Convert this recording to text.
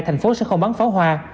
thành phố sẽ không bắn pháo hoa